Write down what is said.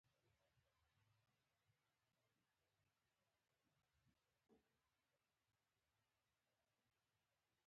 په هند کې به زموږ واکمنۍ ته خطر پېښ کړي.